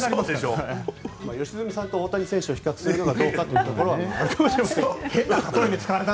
良純さんと大谷選手を比較するのはどうかというのもありますけども。